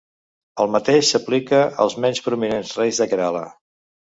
El mateix s'aplica als menys prominents reis de Kerala.